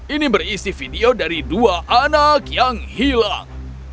ini berisi video dari dua anak yang hilang